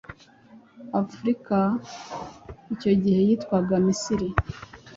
Afurika: icyo gihe yitwaga Misiri.